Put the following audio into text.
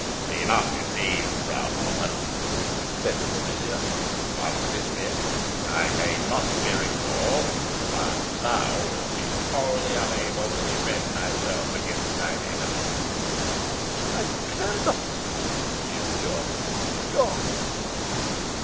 "Be not deceived, proud woman," said the familiar. "Once dismissed, I may not be recalled, while thou wilt be wholly unable to defend thyself against thy enemies." "I care not," she rejoined; "begone!"